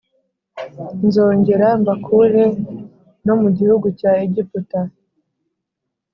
Nzongera mbakure no mu gihugu cya Egiputa